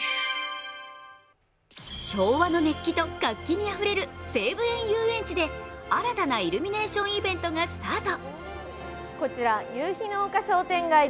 昭和の熱気と活気にあふれる西武園ゆうえんちで、新たなイルミネーションイベントがスタート。